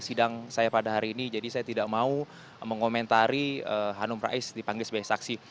sidang saya pada hari ini jadi saya tidak mau mengomentari hanum rais dipanggil sebagai saksi